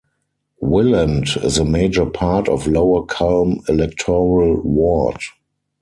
"Willand" is a major part of Lower Culm electoral ward.